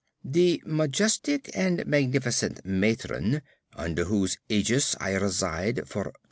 The majestic and magnificent matron, under whose aegis I reside for rs.